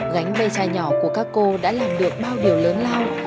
gánh ve chai nhỏ của các cô đã làm được bao điều lớn lao